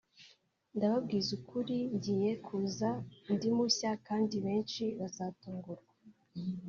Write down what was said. ndababwiza ukuri ngiye kuza ndi mushya kandi benshi bazatungurwa